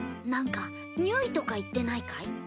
なんか「にゅい」とか言ってないかい？